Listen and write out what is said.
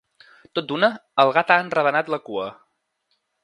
Tot d'una, el gat ha enravenat la cua.